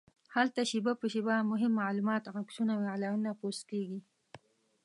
هلته شېبه په شېبه مهم معلومات، عکسونه او اعلانونه پوسټ کېږي.